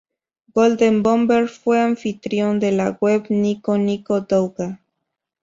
Golden Bomber, fue anfitrión, de la web Nico Nico Douga.